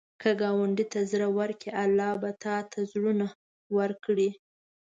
که ګاونډي ته زړه ورکړې، الله به تا ته زړونه ورکړي